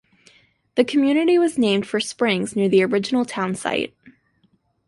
The community was named for springs near the original town site.